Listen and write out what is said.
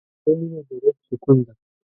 د زړه مینه د روح سکون ده.